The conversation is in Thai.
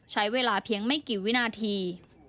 ใช้เวลาเพียงไม่กี่วินาที